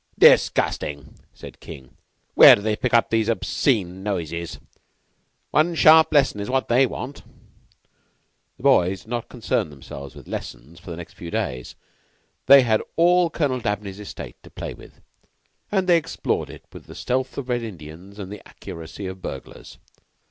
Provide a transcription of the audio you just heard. "Disgusting!" said King. "Where do they pick up these obscene noises? One sharp lesson is what they want." The boys did not concern themselves with lessons for the next few days. They had all Colonel Dabney's estate to play with, and they explored it with the stealth of Red Indians and the accuracy of burglars.